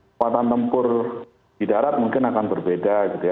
kekuatan tempur di darat mungkin akan berbeda gitu ya